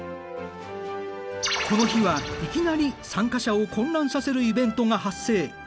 この日はいきなり参加者を混乱させるイベントが発生。